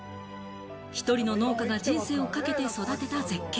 １人の農家が人生をかけ育てた絶景。